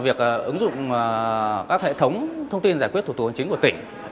việc ứng dụng các hệ thống thông tin giải quyết thủ tục hành chính của tỉnh